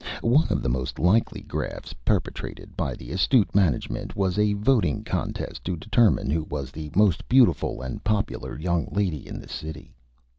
One of the most likely Grafts perpetrated by the astute Management was a Voting Contest to Determine who was the Most Beautiful and Popular Young Lady in the City.